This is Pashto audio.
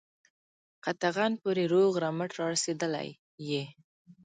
قطغن پوري روغ رمټ را رسېدلی یې.